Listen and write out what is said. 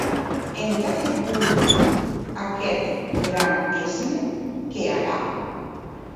Entà qué voi aguest gran èsme qu’è ara?